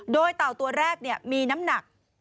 โดยต่าวตัวแรกเนี่ยมีน้ำหนัก